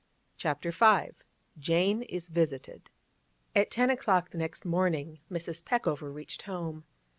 CHAPTER V JANE IS VISITED At ten o'clock next morning Mrs. Peckover reached home.